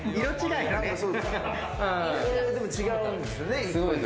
でも違うんですよね。